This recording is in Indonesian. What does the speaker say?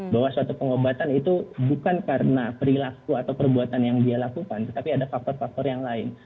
bahwa suatu pengobatan itu bukan karena perilaku atau perbuatan yang dia lakukan tetapi ada faktor faktor yang lain